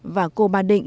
và cô ba định